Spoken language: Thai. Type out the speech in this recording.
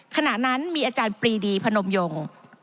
ขณะนั้นมีอาจารย์ปรีดีพนมยง